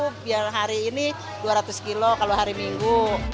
sekarang hari ini dua ratus kilo kalau hari minggu